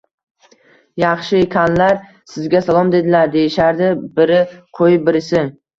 Yaxshiykanlar, sizga salom dedilar, deyishardi biri qo`yib birisi